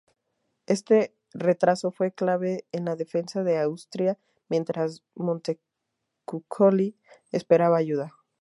Este retraso fue clave en la defensa de Austria, mientras Montecuccoli esperaba ayuda.